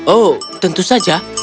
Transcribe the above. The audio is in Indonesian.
oh tentu saja